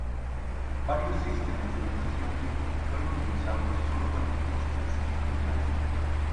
Varios sistemas de notación fueron utilizados solo para tipos específicos de danza.